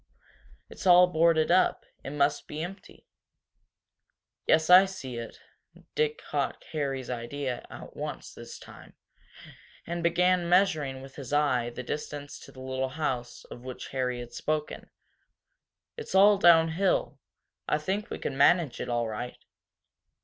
It's all boarded up it must be empty." "Yes, I see it." Dick caught Harry's idea at once this time, and began measuring with his eye the distance to the little house of which Harry had spoken. "It's all down hill I think we could manage it all right."